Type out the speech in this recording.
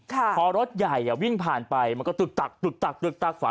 ค่ะพอรถใหญ่อ่ะวิ่งผ่านไปมันก็ตึกตักตึกตักตึกตักฝา